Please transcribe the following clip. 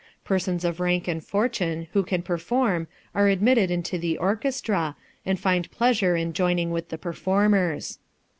Persons of rank and fortune who can perform are admitted into the orchestra, and find a pleasure in joining with the performers.